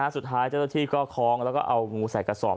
สุดท้ายเจ้าหน้าที่ก็คล้องแล้วก็เอางูใส่กระสอบ